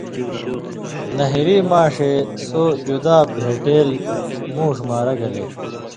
نہیۡری ماݜے سو جُدا بھېٹېل مُوݜ مارہ گَلے